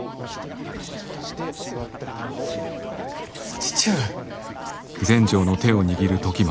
お義父上。